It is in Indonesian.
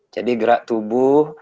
jadi gerak tubuh